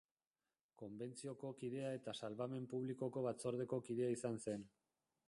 Konbentzioko kidea eta Salbamen Publikoko Batzordeko kidea izan zen.